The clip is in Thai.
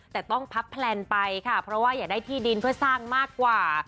แต่ต้องพับแพลนไปค่ะเพราะว่าอยากได้ที่ดินเพื่อสร้างมากกว่า